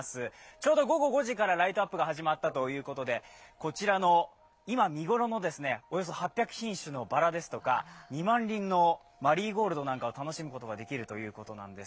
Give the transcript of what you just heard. ちょうど午後５時からライトアップが始まったということで、こちらの今、見頃のおよそ８００品種のバラですとか２万輪のマリーゴールドなんかを楽しむことができるということなんです。